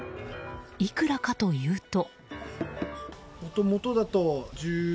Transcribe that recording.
いくらかというと。